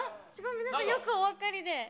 皆さん、よくお分かりで。